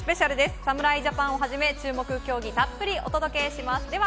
侍ジャパンをはじめ注目競技をたっぷりお伝えします。